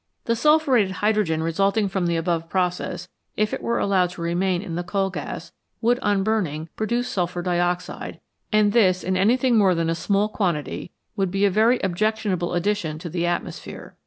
The sulphuretted hydrogen resulting from the above process, if it were allowed to remain in the coal gas, would on burning produce sulphur dioxide, and this, in anything more than a small quantity, would be a very objectionable addition to the atmosphere.